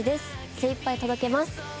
精いっぱい届けます。